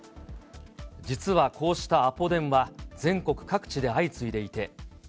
実はこうしたアポ電は全国各地で相次いでいて。